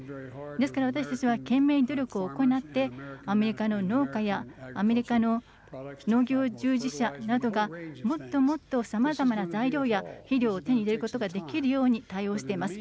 ですから、私たちは懸命に努力を行って、アメリカの農家やアメリカの農業従事者などがもっともっとさまざまな材料や肥料を手に入れることができるように対応しています。